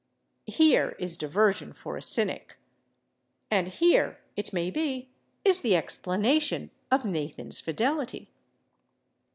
Here is diversion for a cynic. And here, it may be, is the explanation of Nathan's fidelity.